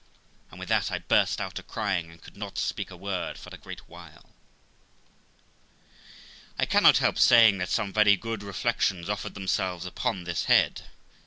And with that I burst out a crying, and could not speak a word for a great while. I cannot help saying that some very good reflections offered themselves upon this head.